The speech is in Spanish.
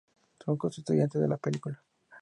Son constituyentes de la película.